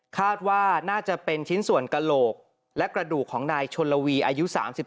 คาดว่าน่าจะเป็นชิ้นส่วนกระโหลกและกระดูกของนายชนลวีอายุ๓๓